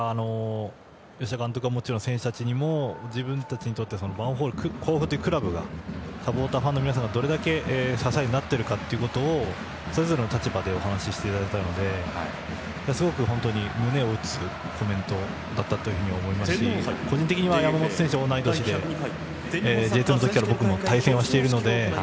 吉田監督はもちろん選手たちにも自分たちにとってヴァンフォーレ甲府というクラブがサポーター、ファンの皆さんがどれだけ支えになっているかというのをそれぞれの立場でお話いただいたのですごく胸を打つコメントだったと思いますし個人的には山本選手は同い年でＪ２の時から僕も対戦しているので。